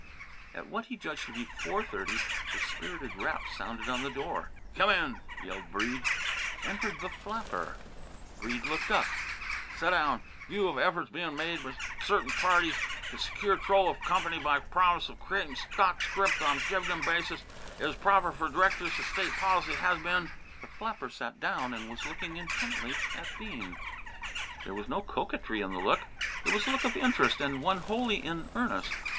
At what he judged to be four thirty a spirited rap sounded on the door. "C'min," yelled Breede. Entered the flapper. Breede looked up. "Seddown! View of efforts bein' made b' cert'n parties t' s'cure 'trol of comp'ny by promise of creatin' stock script on div'dend basis, it is proper f'r d'rectors t' state policy has been " The flapper had sat down and was looking intently at Bean. There was no coquetry in the look. It was a look of interest and one wholly in earnest.